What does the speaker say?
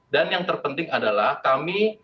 dan yang terpenting adalah kami